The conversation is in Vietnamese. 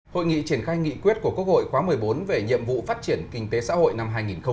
hội nghị triển khai nghị quyết của quốc hội khóa một mươi bốn về nhiệm vụ phát triển kinh tế xã hội năm hai nghìn hai mươi